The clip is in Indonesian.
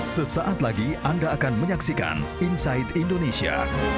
sesaat lagi anda akan menyaksikan inside indonesia